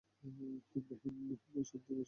ইবরাহীমের উপর শান্তি বর্ষিত হোক।